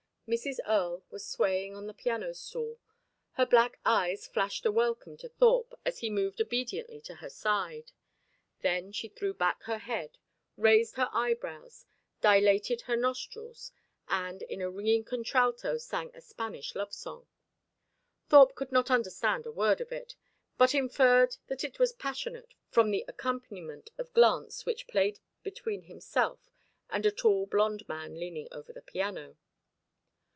Mrs. Earle was swaying on the piano stool. Her black eyes flashed a welcome to Thorpe, as he moved obediently to her side. Then she threw back her head, raised her eyebrows, dilated her nostrils, and in a ringing contralto sang a Spanish love song. Thorpe could not understand a word of it, but inferred that it was passionate from the accompaniment of glance which played between himself and a tall blonde man leaning over the piano.